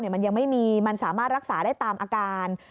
มันยังไม่มีมันสามารถรักษาได้ตามอาการ